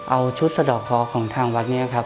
เอาชุดสะดอกข้อของทางวัด